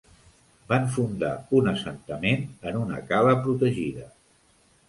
Van fundar un assentament en una cala protegida.